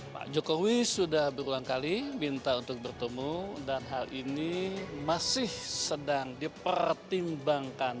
pak jokowi sudah berulang kali minta untuk bertemu dan hal ini masih sedang dipertimbangkan